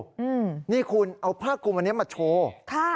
อืมนี่คุณเอาผ้าคลุมอันนี้มาโชว์ค่ะ